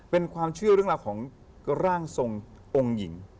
เป็นความเชื่อเรื่องราวของร่างทรงองค์หญิง